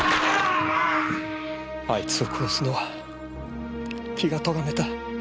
あいつを殺すのは気がとがめた。